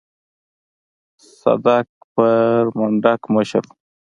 صدک پر منډک مشر و.